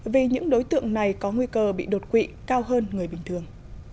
vì những đối tượng này có nguy cơ bị đột quỵ cao hơn người bình thường